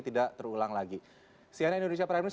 tidak terulang lagi cnn indonesia prime news